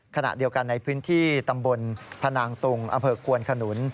ขณะเดียวกันในพื้นที่ตำบลพนางตุงอำเภอกวนขนุน